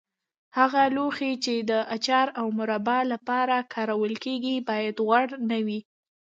هغه لوښي چې د اچار او مربا لپاره کارول کېږي باید غوړ نه وي.